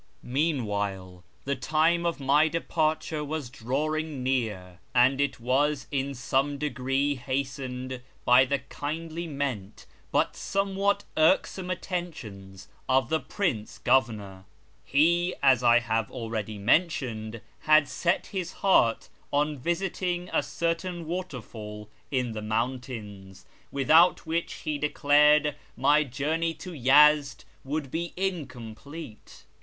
Meanwhile the time of my departure was drawing near, and it was in some degree hastened by the kindly meant but somewhat irksome attentions of the Prince Governor. He, as I have already mentioned, had set his heart on my visiting a certain waterfall in the mountains, without which, he declared, my journey to Yezd would be incomplete.